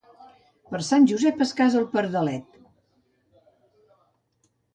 Per Sant Josep es casa el pardalet.